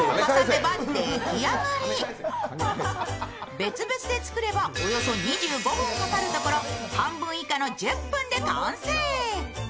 別々で作ればおよそ２５分かかるところ半分以下の１０分で完成。